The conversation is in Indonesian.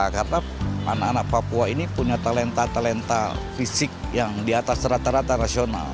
karena anak anak papua ini punya talenta talenta fisik yang di atas rata rata rasional